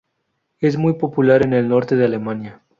Es muy popular en el norte de alemania.